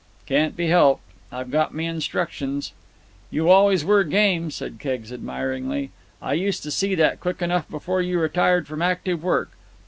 "Can't be helped. I've got me instructions." "You always were game," said Keggs admiringly. "I used to see that quick enough before you retired from active work.